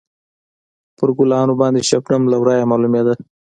پر ګلانو باندې شبنم له ورایه معلومېده.